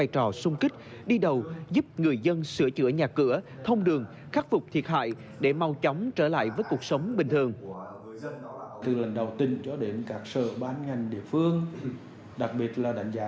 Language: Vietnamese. trò xung kích đi đầu giúp người dân sửa chữa nhà cửa thông đường khắc phục thiệt hại để mau chóng trở lại với cuộc sống bình thường